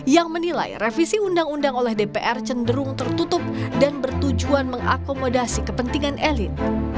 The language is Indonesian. yang menilai revisi undang undang oleh dpr cenderung tertutup dan bertujuan mengakomodasi kepentingan elit